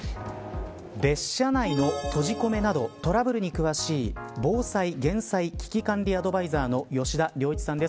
列車内の閉じ込めなどトラブルに詳しい防災減災危機管理アドバイザーの吉田亮一さんです。